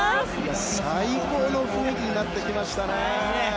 最高の雰囲気になってきましたね。